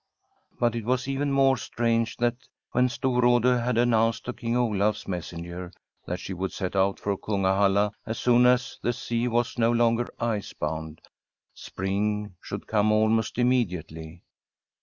But it was even more strange that when Stor rade had announced to King Olafs messenger that she would set out for Kungahalla as soon as the sea was no longer ice bound, spring should come almost immediately.